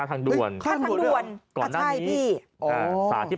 อ่ะใช่พี่